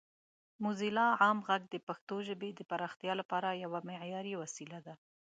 موزیلا عام غږ د پښتو ژبې د پراختیا لپاره یوه معیاري وسیله ده.